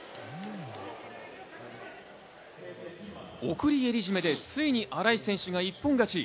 送襟絞でついに新井選手が一本勝ち。